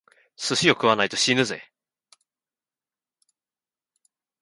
寿司を食わないと死ぬぜ！